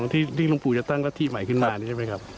ที่ลุงปู่จะตั้งก็ที่ใหม่ขึ้นมานี่ใช่ไหมครับ